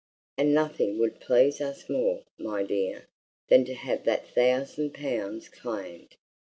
And nothing would please us more, my dear, than to have that thousand pounds claimed!